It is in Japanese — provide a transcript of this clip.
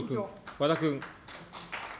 和田君。